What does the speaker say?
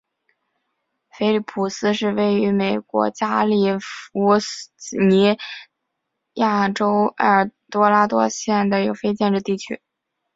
菲利普斯是位于美国加利福尼亚州埃尔多拉多县的一个非建制地区。